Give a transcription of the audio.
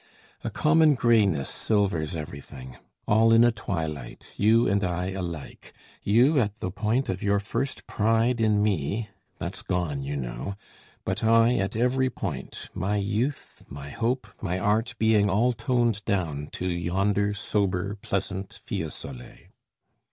A common grayness silvers everything, All in a twilight, you and I alike You at the point of your first pride in me (That's gone, you know) but I at every point, My youth, my hope, my art being all toned down To yonder sober pleasant Fiesole.